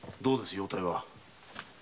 容体は。